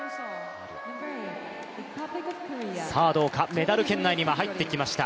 メダル圏内には入ってきました。